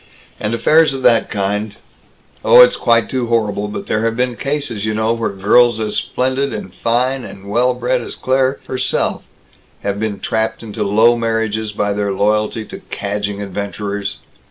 And affairs of that kind Oh, it's quite too horrible, but there have been cases, you know, where girls as splendid and fine and well bred as Claire herself have been trapped into low marriages by their loyalty to cadging adventurers!"